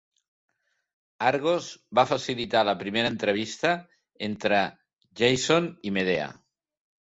Argos va facilitar la primera entrevista entre Jàson i Medea.